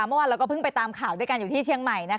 เมื่อวานเราก็เพิ่งไปตามข่าวด้วยกันอยู่ที่เชียงใหม่